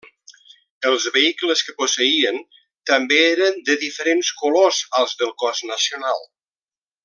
Els vehicles que posseïen també eren de diferents colors als del cos nacional.